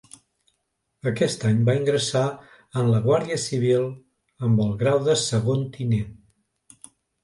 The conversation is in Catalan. Aquest any va ingressar en la Guàrdia Civil amb el grau de Segon Tinent.